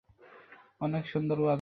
অনেক সুন্দর বাজাও তো।